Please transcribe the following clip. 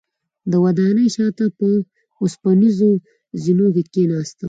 د ودانۍ شاته په اوسپنیزو زینو کې کیناستم.